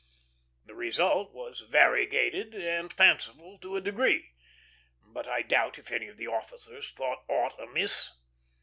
The result was variegated and fanciful to a degree; but I doubt if any of the officers thought aught amiss.